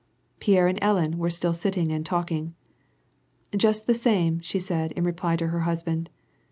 Pierre and Ellen were still sitting and talking. "Just the same," she said, in reply to her husband.